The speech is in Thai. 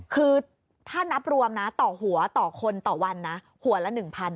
คือถ้านับรวมนะต่อหัวต่อคนต่อวันนะหัวละ๑๐๐